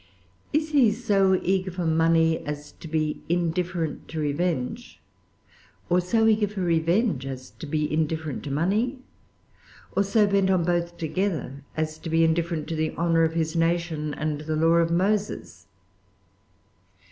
Is he so eager for money as to be indifferent to revenge? Or so eager for revenge as to be indifferent to money? Or so bent on both together as to be indifferent to the honor of his nation and the law of Moses?